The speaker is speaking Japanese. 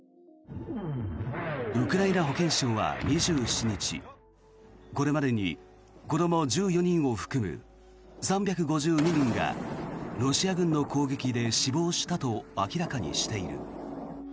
ウクライナ保健省は２７日これまでに子ども１４人を含む３５２人がロシア軍の攻撃で死亡したと明らかにしている。